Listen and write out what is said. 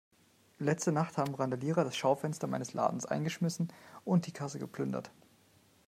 Letzte Nacht haben Randalierer das Schaufenster meines Ladens eingeschmissen und die Kasse geplündert.